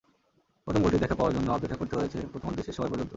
প্রথম গোলটির দেখা পাওয়ার জন্য অপেক্ষা করতে হয়েছে প্রথমার্ধের শেষ সময় পর্যন্ত।